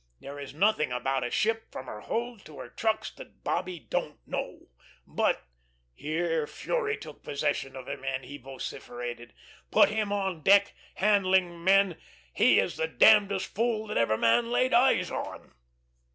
There is nothing about a ship from her hold to her trucks that Bobby don't know; but " here fury took possession of him, and he vociferated "put him on deck, handling men, he is the d dest fool that ever man laid eyes on."